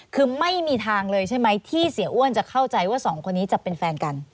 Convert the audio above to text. คือไม่มีทางเลยใช่ไหมที่เสียอ้วนจะเข้าใจว่าสองคนนี้จะเป็นแฟนกัน